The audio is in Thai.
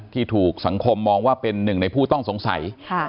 ที่ถูกสังคมมองว่าเป็นหนึ่งในผู้ต้องสงสัย